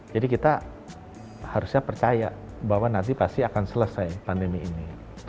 jadi kita harusnya percaya bahwa nanti pasti akan selesai pandemi ini